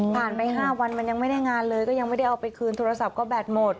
ไป๕วันมันยังไม่ได้งานเลยก็ยังไม่ได้เอาไปคืนโทรศัพท์ก็แบตหมด